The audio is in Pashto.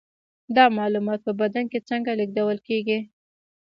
دا معلومات په بدن کې څنګه لیږدول کیږي